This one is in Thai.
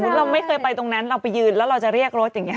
เราไม่เคยไปตรงนั้นเราไปยืนแล้วเราจะเรียกรถอย่างนี้